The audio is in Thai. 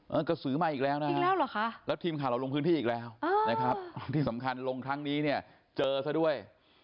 กระสือมาอีกแล้วนะแล้วทีมข่าวเราลงพื้นที่อีกแล้วนะครับที่สำคัญลงครั้งนี้เนี่ยเจอซะด้วย